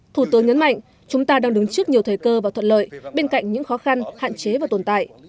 thủ tướng nhấn mạnh chúng ta đang đứng trước nhiều thời cơ và thuận lợi bên cạnh những khó khăn hạn chế và tồn tại